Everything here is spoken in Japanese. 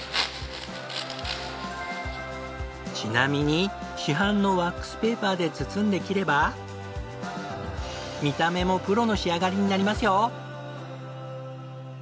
ちなみに市販のワックスペーパーで包んで切れば見た目もプロの仕上がりになりますよ！